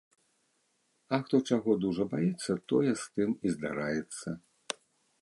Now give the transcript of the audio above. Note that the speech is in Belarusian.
А хто чаго дужа баіцца, тое з тым і здараецца.